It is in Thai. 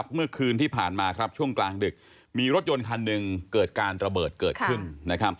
เมื่อคืนที่ผ่านมาช่วงกลางดึกมีรถยนต์คันหนึ่งเกิดการระเบิดเกิดขึ้น